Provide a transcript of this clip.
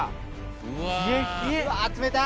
うわ冷たい。